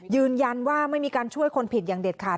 ยืนยันว่าไม่มีการช่วยคนผิดอย่างเด็ดขาด